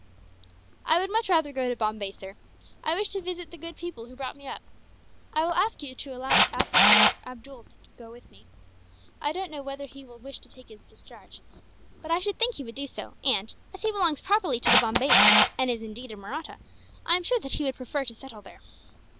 "I would much rather go to Bombay, sir. I wish to visit the good people who brought me up. I will ask you to allow Havildar Abdool to go with me. I don't know whether he will wish to take his discharge, but I should think he would do so and, as he belongs properly to the Bombay army, and is indeed a Mahratta, I am sure that he would prefer to settle there."